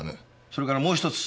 それからもう一つ。